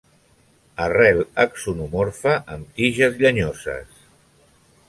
Arrel axonomorfa amb tiges llenyoses.